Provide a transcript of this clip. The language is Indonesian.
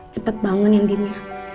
cepet bangun ya ndip ya